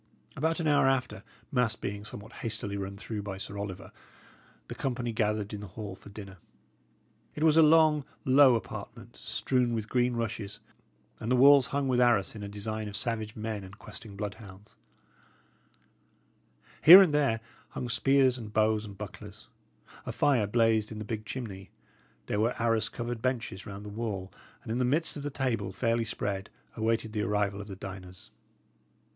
About an hour after, mass being somewhat hastily run through by Sir Oliver, the company gathered in the hall for dinner. It was a long, low apartment, strewn with green rushes, and the walls hung with arras in a design of savage men and questing bloodhounds; here and there hung spears and bows and bucklers; a fire blazed in the big chimney; there were arras covered benches round the wall, and in the midst the table, fairly spread, awaited the arrival of the diners.